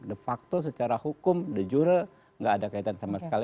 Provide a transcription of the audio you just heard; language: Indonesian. de facto secara hukum de jure nggak ada kaitan sama sekali